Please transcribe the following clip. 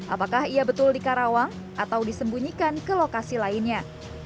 apakah ia betul di karawang atau disembunyikan ke lokasi lainnya